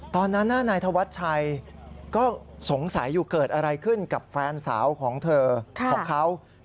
ตอนนั้นนายธวัชชัยก็สงสัยอยู่เกิดอะไรขึ้นกับแฟนสาวของเธอของเขา